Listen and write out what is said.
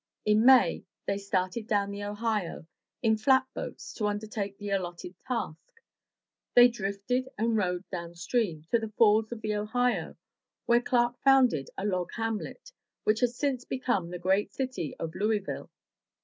In May they started down the Ohio in flatboats to undertake the allotted task. They drifted and rowed downstream to the Falls of the Ohio, where Clark foimded a log hamlet, which has since become the great city of Louisville.